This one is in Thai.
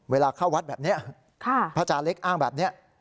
เวลาเข้าวัดแบบนี้พระอาจารย์เล็กอ้างแบบนี้